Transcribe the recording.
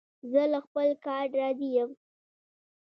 زه له خپل کار راضي یم.